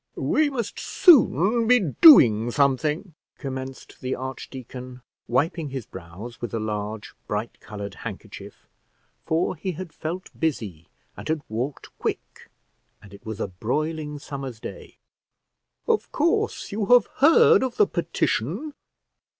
"We must soon be doing something," commenced the archdeacon, wiping his brows with a large, bright coloured handkerchief, for he had felt busy, and had walked quick, and it was a broiling summer's day. "Of course you have heard of the petition?"